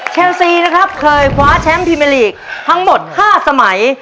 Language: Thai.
เชลซีนะครับเคยคว้าแชมป์พรีเมอร์ลีกทั้งหมด๕สมัย